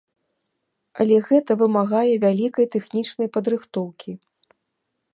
Але гэта вымагае вялікай тэхнічнай падрыхтоўкі.